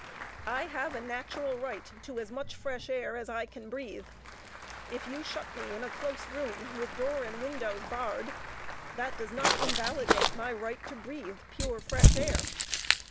I have a natural right to as much fresh air as I can breathe; if you shut me in a close room with door and windows barred, that does not invalidate my right to breathe pure, fresh air.